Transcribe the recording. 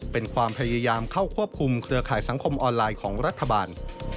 เป็นความพยายามเข้าควบคุมเครือข่ายสังคมออนไลน์ของรัฐบาล